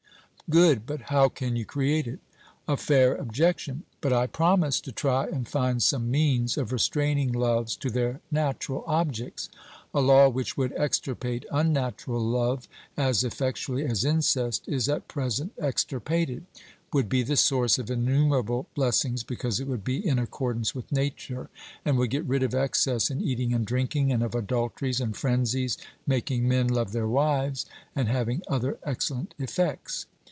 'Good: but how can you create it?' A fair objection; but I promised to try and find some means of restraining loves to their natural objects. A law which would extirpate unnatural love as effectually as incest is at present extirpated, would be the source of innumerable blessings, because it would be in accordance with nature, and would get rid of excess in eating and drinking and of adulteries and frenzies, making men love their wives, and having other excellent effects.